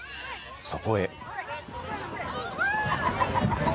そこへ。